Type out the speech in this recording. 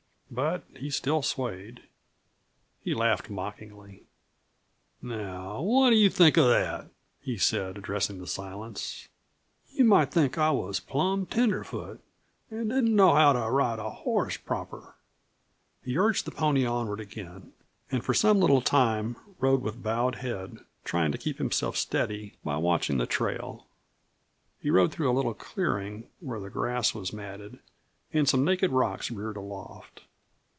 But he still swayed. He laughed mockingly. "Now, what do you think of that?" he said, addressing the silence. "You might think I was plum tenderfoot an' didn't know how to ride a horse proper." He urged the pony onward again, and for some little time rode with bowed head, trying to keep himself steady by watching the trail. He rode through a little clearing, where the grass was matted and some naked rocks reared aloft.